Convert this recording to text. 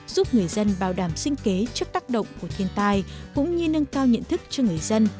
giúp người dân bảo đảm sinh kế trước tác động của thiên tai cũng như nâng cao nhận thức cho người dân